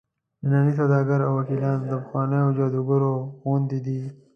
ننني سوداګر او وکیلان د پخوانیو جادوګرو غوندې دي.